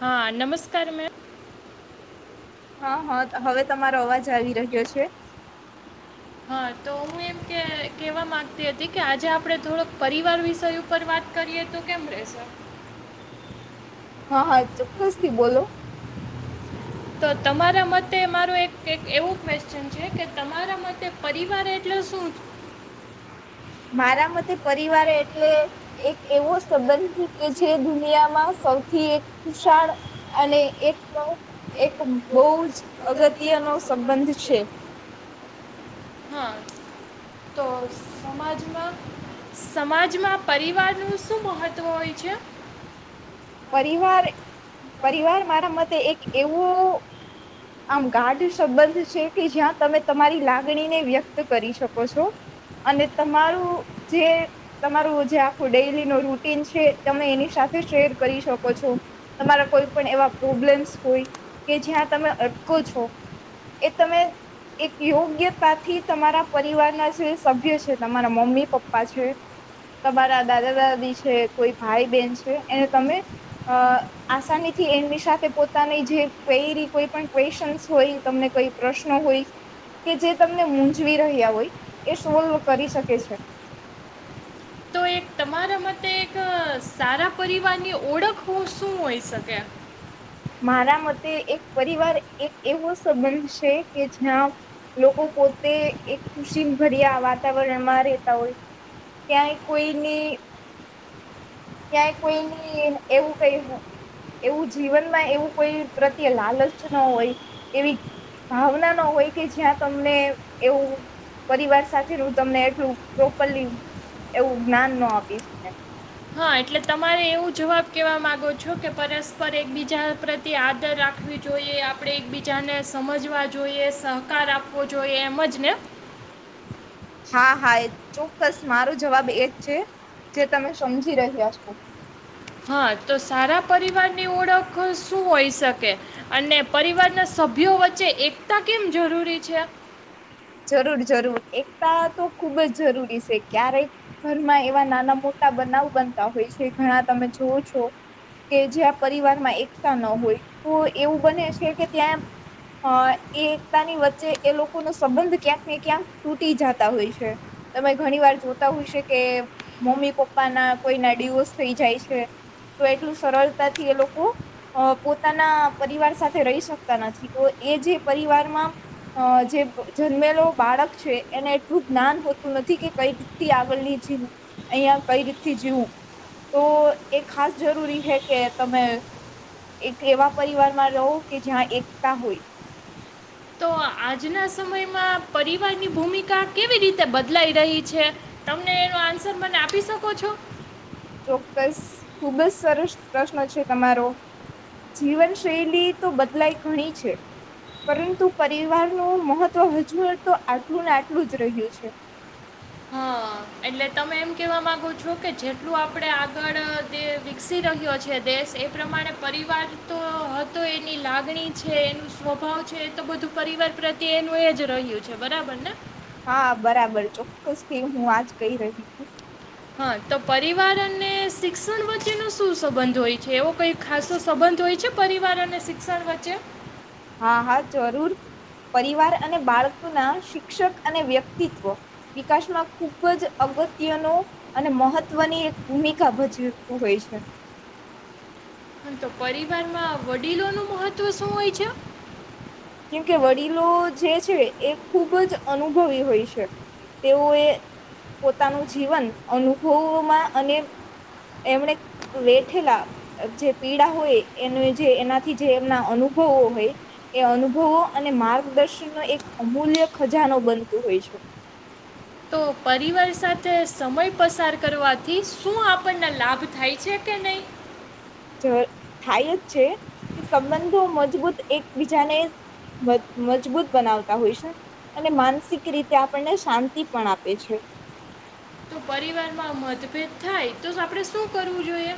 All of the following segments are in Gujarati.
હા, નમસ્કાર મેમ. હા, હા હવે તમારો અવાજ આવી રહ્યો છે. હા, તો હું એમ કે કેવા માંગતી હતી કે આજે આપડે થોડોક પરિવાર વિષય ઉપર વાત કરીએ તો કેમ રેશે? હા, હા ચોક્કસથી બોલો. તો તમારા મતે મારું એક એવું ક્વેશચન છે કે તમારા મતે પરિવાર એટલે શું? મારા મતે પરિવાર એટલે એક એવો સંબંધ કે જે દુનિયામાં સૌથી એક ખુશાળ અને એક એક બહુ જ અગત્યનો સંબંધ છે. હા, તો સમાજમાં સમાજમાં પરિવારનું શું મહત્વ હોય છે? પરિવાર પરિવાર મારા મતે એક એવો આમ ગાઢ સંબંધ છે કે જ્યાં તમે તમારી લાગણીને વ્યક્ત કરી શકો છો અને તમારું જે તમારું જે આખું ડેલીનું રૂટીન છે તમે એની સાથે શેર કરી શકો છો. તમારા કોઈ પણ એવા પ્રોબ્લેમ્સ હોય કે જ્યાં તમે અટકો છો એ તમે એક યોગ્યતાથી તમારા પરિવારના જે સભ્ય છે તમારા મમ્મી-પપ્પા છે, તમારા દાદા-દાદી છે, કોઈ ભાઈ બહેન છે એને તમે અઅ આસાનીથી એમની સાથે પોતાની જે કવેરી કોઈ પણ કવેશન્સ હોય, તમને કઈ પ્રશ્ન હોય કે જે તમને મૂઝવી રહ્યા હોય એ સોલ્વ કરી શકે છે. તમારા મતે એક સારા પરિવારની ઓળખવું શું હોય શકે? મારા મતે એક પરિવાર એક એવો સંબંધ છે કે જ્યાં લોકો પોતે એક ખુશીભર્યા વાતાવરણમાં રહેતા હોય ક્યાય કોઈની ક્યાંય કોઈની એવું કઈ એવું જીવનમાં એવું કોઈ પ્રત્યે લાલચ ન હોય, એવી ભાવના ન હોય કે જ્યાં તમને એવું પરિવાર સાથેનું તમને એટલું પ્રોપરલી એવું જ્ઞાન ન આપી શકાય. હા, એટલે તમારે એવું જવાબ કહેવા માગો છો કે પરસ્પર એકબીજા પ્રત્યે આદર રાખવી જોઈએ. આપણે એકબીજાને સમજવા જોઈએ. સહકાર આપવો જોઈએ એમ જ ને? હા, હા એ ચોક્કસ મારો જવાબ એ જ છે. જે તમે સમજી રહ્યા છો. હા, તો સારા પરિવારની ઓળખ શું હોય શકે? અને પરિવારના સભ્યો વચ્ચે એકતા કેમ જરૂરી છે? જરૂર જરૂર એકતા તો ખુબ જ જરૂરી છે. ક્યારેક ઘરમાં એવા નાના મોટા બનાવ બનતા હોય છે ઘણા તમે જોવ છો કે જ્યાં પરિવારમાં એકતા ન હોય. તો એવું બને છે કે ત્યાં એ એકતાની વચ્ચે એ લોકો નો સંબંધ ક્યાંક ને ક્યાંક તૂટી જતા હોય છે. તમે ઘણી વાર જોતા હોઈ શકે કે મમ્મી પપ્પાના કોઈના ડીવોર્સ થઈ જાય છે તો એટલું સરળતાથી એ લોકો પોતાના પરિવાર સાથે રહી શકતા નથી તો એ જે પરિવારમાં જે જન્મેલો બાળક છે એને એટલું જ્ઞાન હોતું નથી કે કઈ રીતથી આગળની જી અહિયાં કઈ રીતથી જીવું. તો એ ખાસ જરૂરી હૈ કે તમે એક એવા પરિવારમાં રહો કે જ્યાં એકતા હોય. આજના સમયમાં પરિવારની ભૂમિકા કેવી રીતે બદલાઈ રહી છે? તમને એનો આન્સર મને આપી શકો છો? ચોક્કસ. ખુબ જ સરસ પ્રશ્ન છે તમારો. જીવનશૈલી તો બદલાય ઘણી છે પરંતુ પરિવારનું મહત્વ હજુ હવ તો આટલું ને આટલું જ રહ્યું છે. એટલે તમે એમ કેવા માંગો છો કે જેટલું આપડે આગળ વિકસી રહ્યો છે દેશ એ પ્રમાણે પરિવાર તો હતો એની લાગણી છે, એનું સ્વભાવ છે, એ તો બધું પરિવાર પ્રત્યે એનું એ જ રહ્યું છે. બરાબર ને? હા, બરાબર ચોક્કસ થી હું આજ કહી રહી હું. હા, તો પરિવાર અને શિક્ષણ વચ્ચે નો શું સંબંધ હોય છે? એવો કઈ ખાસો સંબંધ હોય છે પરિવાર અને શિક્ષણ વચ્ચે? હા હા જરૂર. પરિવાર અને બાળકોના શિક્ષક અને વ્યક્તિત્વ વિકાસમાં ખૂબ જ અગત્યનું અને મહત્વની એક ભૂમિકા ભજવીતું હોય છે. તો પરિવારમાં વડીલો નું મહત્વ શું હોય છે? કેમકે વડીલો જે છે એ ખુબ જ અનુભવી હોય છે. તેઓએ પોતાનું જીવન અનુભવોમાં અને એમણે વેઠેલા જે પીડા હોય એને જે એનાથી જે એમના અનુભવો હોય એ અનુ અનુભવો અને માર્ગદર્શનનો એક અમૂલ્ય ખજાનો બનતું હોય છે. તો પરિવાર સાથે સમય પસાર કરવાથી શું આપણને લાભ થાય છે કે નહીં? જર થાય જ છે. કે સંબંધો મજબૂત એકબીજાને મજબૂત બનાવતા હોય છે અને માનસિક રીતે આપણને શાંતિ પણ આપે છે. તો પરિવારમાં મતભેદ થાય તો આપણે શું કરવું જોઈએ?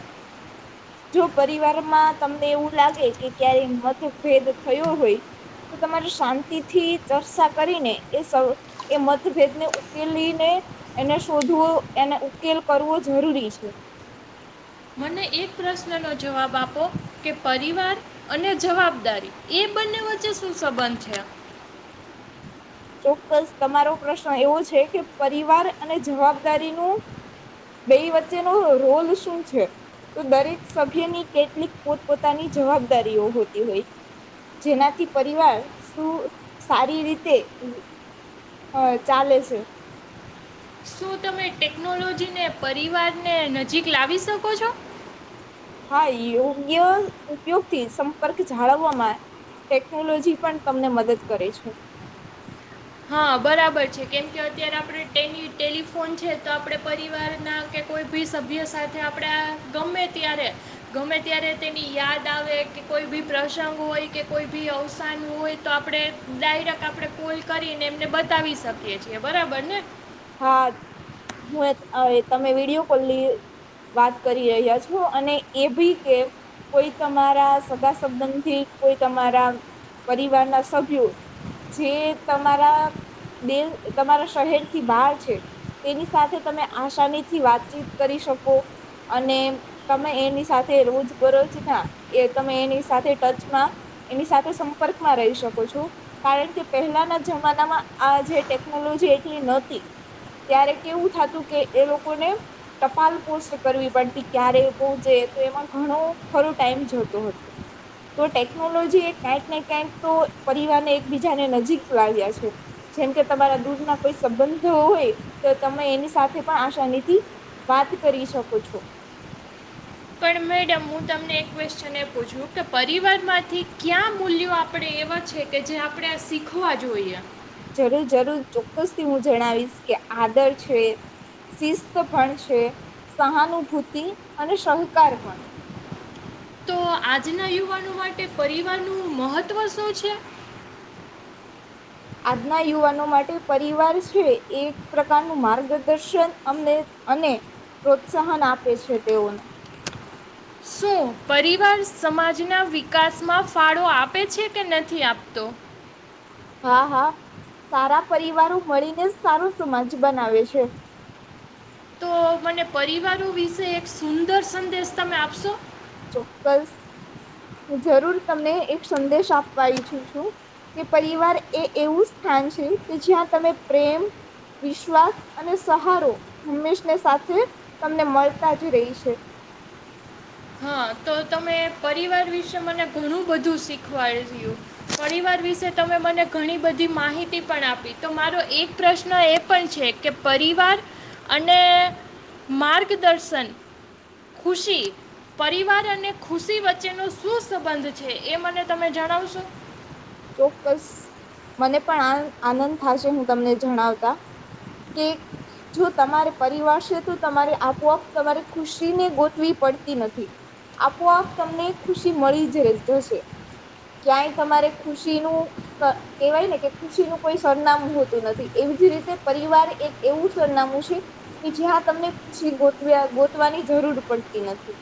જો પરિવારમાં તમને એવું લાગે કે ક્યારેય મતભેદ થયો હોય તો તમારી શાંતિથી ચર્સા કરીને એ એ મતભેદને ઉકેલીને એને શોધવો એને ઉકેલ કરવો જરૂરી છે. મને એક પ્રશ્નનો જવાબ આપો કે પરિવાર અને જવાબદારી એ બંને વચ્ચે શું સંબંધ છે? ચોક્કસ તમારો પ્રશ્ન એવો છે કે પરિવાર અને જવાબદારીનું બે વચ્ચેનો રોલ શું છે તો દરેક સભ્યની કેટલીક પોતપોતાની જવાબદારીઓ હોતી હોય. જેનાથી પરિવાર શું સારી રીતે [inaudible] હા ચાલે છે. તમે ટેકનોલોજીને પરિવારને નજીક લાવી શકો છો? હા યોગ્ય ઉપયોગથી સંપર્ક જાળવવામાં ટેકનોલોજી પણ તમને મદદ કરે છે. કેમકે અત્યારે આપણે ટેની ટેલિફોન છે તો આપણે પરિવારના કે કોઈ બી સભ્ય સાથે આપણે ગમે ત્યારે, ગમે ત્યારે તેની યાદ આવે કે કોઈ બી પ્રસંગ હોય કે કોઈ બી અવસાન હોય તો આપણે ડાયરેક્ટ આપણે કોઈ કરીને એમને બતાવી શકીએ છીએ બરાબર ને. હા, હું તમે વિડીયો કોલની વાત કરી રહ્યા છો અને એ ભી કે, કોઈ તમારા સગા સબંધથી કોઈ તમારા પરિવાર ના સભ્યો, જે તમારા દ તમારા શહેર બાર છે, તેની સાથે તમે આસાનીથી વાતચીત કરી શકો, અને તમે એની સાથે રોજબરોજ ના તમે એની સાથે ટચમાં એની સાથે સંપર્કમાં રહી શકો છો, કારણ કે પહેલાના જમાનામાં આ જે ટેકનોલોજી એટલી હતી, ત્યારે કેવું થતું કે એ લોકોને ટપાલ પોસ્ટ કરવી પડતી ક્યારે પહોંચે તો એમાં ઘણો થ ટાઈમ જતો હતો, તો ટેકનોલોજી એ ક્યાંકને ક્યાંક તો પરિવારને એકબીજાને નજીક લાવ્યા છે, જેમ કે તમારા દૂર ના કોઈ સંબંધ જો હોય તો તમે એની સાથે પણ આસાનીથી વાત કરી શકો છો. પણ મેડમ હું તમને એક ક્વેશ્ચન એ પૂછું કે પરિવાર માંથી ક્યા મૂલ્યો આપણે એવા છે કે જે આપણે આ શીખવા જોઈએ? જરૂર-જરૂર, ચોક્કસથી હું જણાવીશ, કે આદર છે, શિસ્ત પણ છે, સહાનુભૂતિ, અને સહકાર પણ. તો આજના યુવાનો માટે પરિવાર નું મહત્વ શું છે? આજના યુવાનો માટે પરિવાર છે એ એક પ્રકારનું માર્ગદર્શન અમને અને પ્રોત્સાહન આપે છે તેઓને. પરિવાર સમાજના વિકાસમાં ફાળો આપે છે કે નથી આપતો? હા, હા. સારા પરિવારો મળીને જ સારું સમાજ બનાવે છે. મને પરિવારો વિશે એક સુંદર સંદેશ તમે આપશો? ચોક્ક્સ. હું જરૂર તમને એક સંદેશ આપવા ઈચ્છું છું, કે પરિવાર એ એવું સ્થાન છે કે જ્યાં તમે પ્રેમ, વિશ્વાસઅને સહારો હંમેશને સાથે તમને મલતા જ રેય છે. તો તમે પરિવાર વિશે મને ઘણું બધું શીખવાડ્યું. પરિવાર વિશે તમે મને ઘણી બધી માહિતી પણ આપી. તો મારો એક પ્રશ્ન એ પણ છે કે પરિવાર અને માર્ગદર્શન, ખુશી પરિવાર અ ને ખુશી વચ્ચે નો શું સંબંધ છે એ મને તમે જણાવશો? ચોક્કસ. મને પણ આ આનંદ થાશે હું તમને જણાવતા, કે જો તમારે પરિવાર સે, તો તમારે આપોઆપ તમારે ખુશી ને ગોતવી પડતી નથી. આપોઆપ તમને ખુશી મળી જ ર જશે. ક્યાંય તમારે ખુશીનું ક કેવાય ને કે ખુશીનું કોઈ સરનામું હોતું નથી. એવી જ રીતે પરિવાર એક એવું સરનામું છે, કે જ્યાં તમને ખુશી ગોતવ્યા ગોતવાની જરૂર પડતી નથી.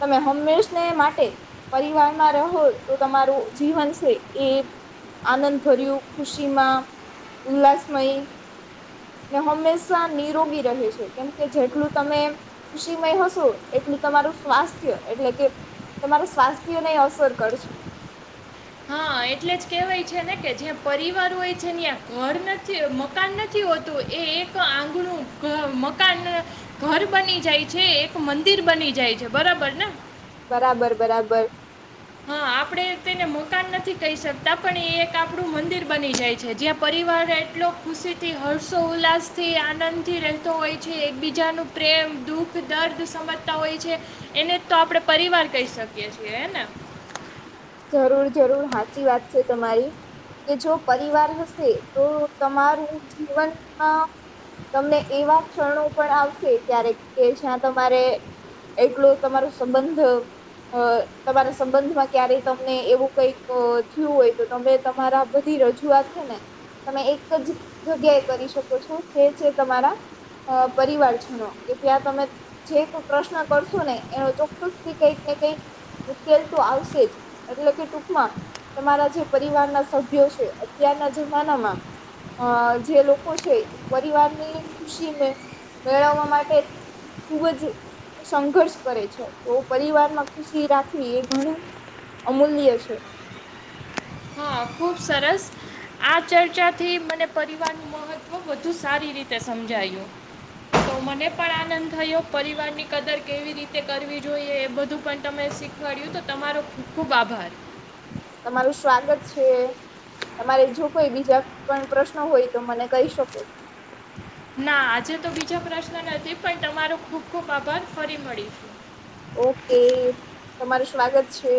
તમે હંમેશને માટે પરિવારમાં રહો તો તમારું જીવન સે. એ આનંદ ભર્યું ખુશીમાં, ઉલ્લાસમય ને હંમેશા નિરોગી રહે છે, કેમ કે જેટલું તમે ખુશીમય હશો એટલું તમારું સ્વાસ્થ્ય એટલે કે તમારું સ્વાસ્થ્યનેય અસર કરશે. હા એટલે જ કેહેવાય છે ને કે જ્યાં પરિવાર હોય છે, ન્યાં ઘર નથ મકાન નથી હોતું, એ એક આંગણું ઘ મકાન ઘર બની જાય છે, એ એક મંદિર બની જાય છે. બરાબર ને? બરાબર-બરાબર. આપણે તેને મકાન નથી કહી શકતા, પણ એ એક આપણું મંદિર બની જાય છે, જ્યાં પરિવાર એટલો ખુશીથી, હર્ષોલ્લાસથી, આનંદથી રહેતો હોય છે, એકબીજાનું પ્રેમ, દુઃખ, દર્દ સમજતા હોય છે, એને જ તો આપણે પરિવાર કહી શકીએ છીએ. હે ને? જરૂર-જરૂર હાચી વાત છે તમારી, કે જો પરિવાર હશે તો તમારું જીવનમાં તમને એવા ક્ષણો પણ આવશે ક્યારેક, કે જ્યાં તમારે એટલો તમારો સંબંધ અહ તમારા સંબંધમાં ક્યારેય તમને એવું કંઈક અહ થયું હોય તો તમે તમારા બધી રજૂઆત છે ને, તમે એક જ જગ્યાએ કરી શકો છો, જે છે તમારા અહ પરિવારજનો, કે ત્યાં તમે જે ક પ્રશ્ન કરશો ને એનો ચોક્કસ થી કંઈક ને કંઈક ઉકેલ તો આવશે જ. એટલે કે ટૂંકમાં તમારા જે પરિવારના સભ્યો છે, અત્યારના જમાનામાં અહ જે લોકો છે, ઈ પરિવારની ખુશી મે મેળવવા માટે ખૂબ જ સંઘર્ષ કરે છે, તો પરિવારમાં ખુશી રાખવી એ ઘણ અમૂલ્ય્ય છે. હા ખૂબ સરસ. આ ચર્ચાથી મને પરિવારનું મહત્વ વધુ સારી રીતે સમજાયું. તો મને પણ આનંદ થયો પરિવારની કદર કેવી રીતે કરવી જોઈએ એ બધું પણ તમે શીખવાડ્યું, તો તમારો ખૂબ-ખૂબ આભાર. તમારું સ્વાગત છે. તમારે જો કોઈ બીજા પણ પ્રશ્ન હોય તો મને કહી શકો છો. ના, આજે તો બીજા પ્રશ્ન નથી, પણ તમારો ખુબ-ખુબ આભાર, ફરી મળીશું. ઓકે તમારું સ્વાગત છે.